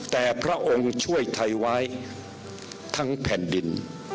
แต่พระองค์ช่วยไทยไว้ทั้งแผ่นดิน